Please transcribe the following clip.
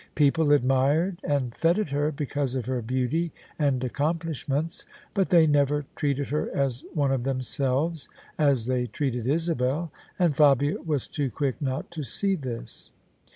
People admired and feted her because of her beauty and accomplish ments, but they never treated her as one of themselves, as they treated Isabel: and Fabia was too quick not to see this.